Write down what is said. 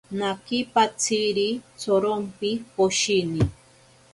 Nakipatziri tsorompi poshini.